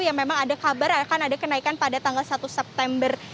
yang memang ada kabar akan ada kenaikan pada tanggal satu september